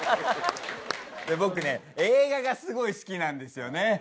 僕ね映画がすごい好きなんですよね。